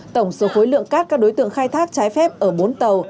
tổng số khối lượng cát các đối tượng khai thác trái phép ở bốn tàu